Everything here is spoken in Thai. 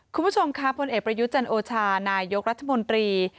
คุณผู้ชมค่ะพลเอกประยุทธ์จันโอชานายกรัฐมนตรี